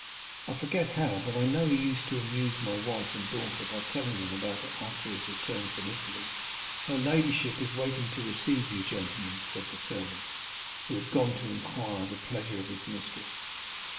I forget how, but I know he used to amuse my wife and daughter by telling them about it after his return from Italy." "Her ladyship is waiting to receive you, gentlemen," said the servant, who had gone to inquire the pleasure of his mistress.